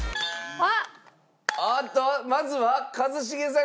おっとまずは一茂さんが押した。